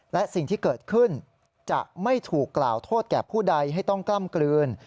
และสิ่งที่เกิดขึ้นจะไม่ถูกกล่าวโทษแก่ผู้ใดให้ต้องกล้ำกลืน